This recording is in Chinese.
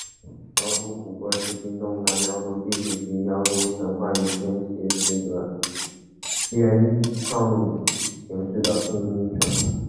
苗族古歌是黔东南苗族聚居区对苗族神话与迁徙史诗歌联唱形式的通称。